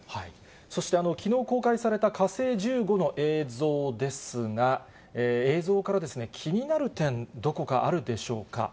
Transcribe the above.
そして、きのう公開された火星１５の映像ですが、映像から気になる点、どこかあるでしょうか。